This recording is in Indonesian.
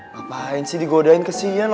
ngapain sih digodain kesian lah